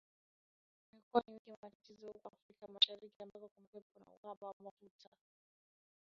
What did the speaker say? Imekuwa ni wiki ya matatizo huko Afrika Mashariki, ambako kumekuwepo na uhaba wa mafuta